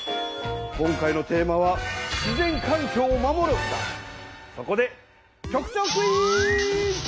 今回のテーマはそこで局長クイズ！